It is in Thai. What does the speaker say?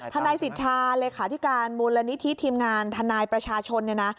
ธนายสิทธาเลขาธิการมูลนิทิศทีมงานธนายประชาชน